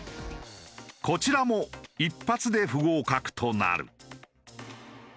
こちらも一発で不合格となる。